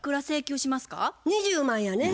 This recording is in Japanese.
２０万やね。